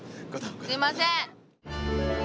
すいません。